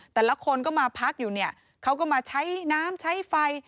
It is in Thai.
แต่ละคนก็มาพักอยู่เนี่ยเขาก็มาใช้น้ำใช้ไฟ